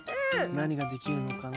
なにができるのかな？